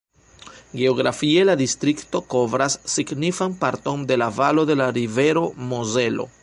Geografie la distrikto kovras signifan parton de la valo de la rivero Mozelo.